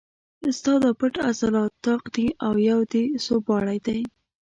ستا دا پټ عضلات طاق دي او یو دې سوباړی دی.